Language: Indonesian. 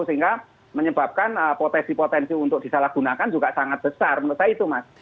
sehingga menyebabkan potensi potensi untuk disalahgunakan juga sangat besar menurut saya itu mas